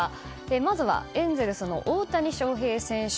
まずはエンゼルスの大谷翔平選手。